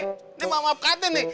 ini maafkan deh nih